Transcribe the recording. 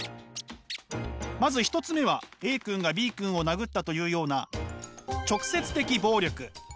まず１つ目はＡ君がＢ君を殴ったというような直接的暴力。